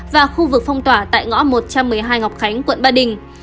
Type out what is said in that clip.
và khu vực phong tỏa tại ngõ một trăm một mươi hai ngọc khánh quận ba đình